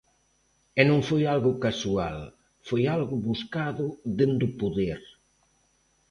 E non foi algo casual, foi algo buscado dende o poder.